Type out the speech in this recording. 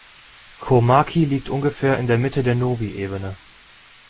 Komaki liegt ungefähr in der Mitte der Nōbi-Ebene.